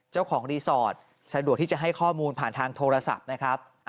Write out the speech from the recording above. เจ้าของรีสอร์ทสะดวกที่จะให้ข้อมูลผ่านทางโทรศัพท์นะครับ